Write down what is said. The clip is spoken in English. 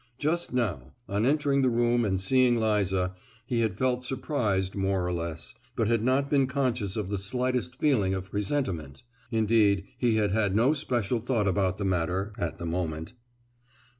Just now, on entering the room and seeing Liza, he had felt surprised more or less,—but had not been conscious of the slightest feeling of presentiment,—indeed he had had no special thought about the matter, at the moment.